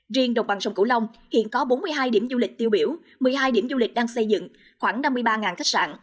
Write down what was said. riêng đồng bằng sông cửu long hiện có bốn mươi hai điểm du lịch tiêu biểu một mươi hai điểm du lịch đang xây dựng khoảng năm mươi ba khách sạn